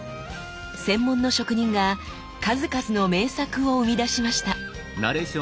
専門の職人が数々の名作を生み出しました。